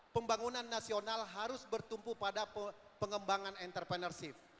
pembangunan nasional harus bertumpu pada pengembangan entrepreneurship